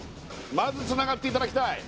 まずつながっていただきたい！